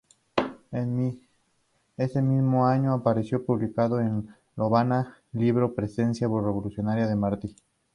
Ese mismo año apareció publicado en La Habana su libro "Presencia revolucionaria de Martí".